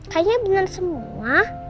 kayaknya bener semua